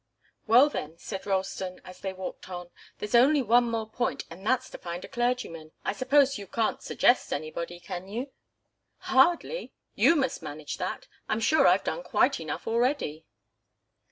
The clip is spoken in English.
"Well, then," said Ralston, as they walked on, "there's only one more point, and that's to find a clergyman. I suppose you can't suggest anybody, can you?" "Hardly! You must manage that. I'm sure I've done quite enough already."